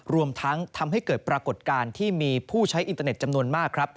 รวมทั้งทำให้เกิดปรากฏการณ์ที่มีผู้ใช้อินเตอร์เน็ตจำนวนมากครับ